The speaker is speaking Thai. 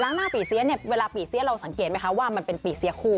หน้าปีเสียเนี่ยเวลาปีเสียเราสังเกตไหมคะว่ามันเป็นปีเสียคู่